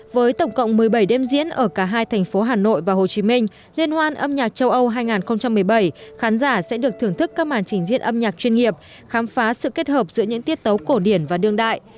với tổng cộng một mươi bảy đêm diễn ở cả hai thành phố hà nội và hồ chí minh liên hoan âm nhạc châu âu hai nghìn một mươi bảy khán giả sẽ được thưởng thức các màn trình diễn âm nhạc chuyên nghiệp khám phá sự kết hợp giữa những tiết tấu cổ điển và đương đại